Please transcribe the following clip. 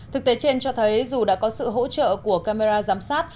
thực tế trên cho thấy dù đã có sự hỗ trợ của camera giám sát